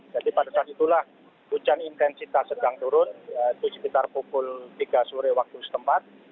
jadi pada saat itulah hujan intensitas sedang turun itu sekitar pukul tiga sore waktu setempat